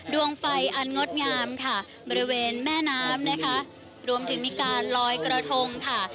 ดวงไฟอันงดงามค่ะบริเวณแม่น้ำนะคะรวมถึงมีการลอยกระทงค่ะ